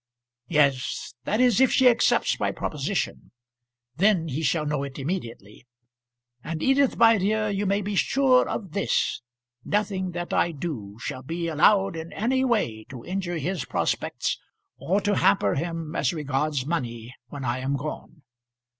"Yes; that is if she accepts my proposition. Then he shall know it immediately. And, Edith, my dear, you may be sure of this; nothing that I do shall be allowed in any way to injure his prospects or to hamper him as regards money when I am gone.